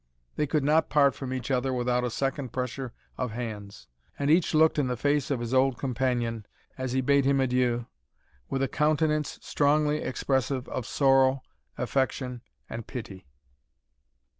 They could not part from each other without a second pressure of hands, and each looked in the face of his old companion, as he bade him adieu, with a countenance strongly expressive of sorrow, affection, and pity.